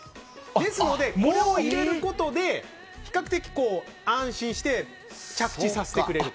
ですのでこれを入れることで比較的安心して着地させてくれると。